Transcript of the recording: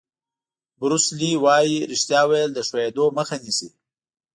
بروس لي وایي ریښتیا ویل د ښویېدو مخه نیسي.